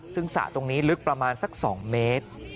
ซึ่งสระตรงนี้ลึกประมาณสัก๒เมตร